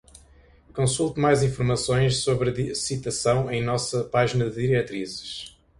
Consulte mais informações sobre citação em nossa página de diretrizes.